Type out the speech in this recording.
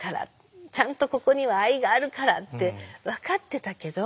ちゃんとここには愛があるから」って分かってたけど。